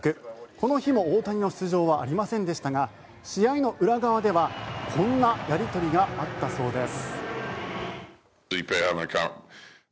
この日も大谷の出場はありませんでしたが試合の裏側ではこんなやり取りがあったそうです。